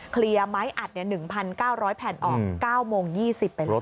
เคลียร์ไม้อัด๑๙๐๐แผ่นออก๙โมง๒๐ไปแล้วค่ะ